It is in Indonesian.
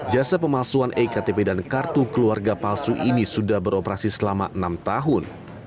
jasa pemalsuan ektp dan kartu keluarga palsu ini sudah beroperasi selama enam tahun